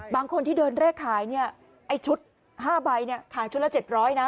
บางคนที่เดินเลขขายชุด๕ใบขายชุดละ๗๐๐นะ